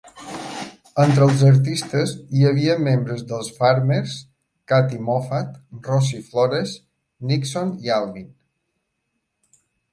Entre els artistes hi havia membres dels Farmers, Katy Moffatt, Rosie Flores, Nixon i Alvin.